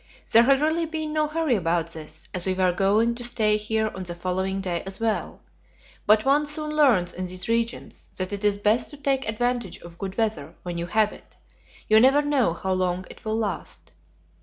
There had really been no hurry about this, as we were going to stay here on the following day as well; but one soon learns in these regions that it is best to take advantage of good weather when you have it you never know how long it will last.